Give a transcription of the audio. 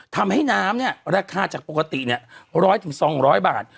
ทำให้น้ำเนี้ยราคาจากปกติเนี้ยร้อยถึงสองร้อยบาท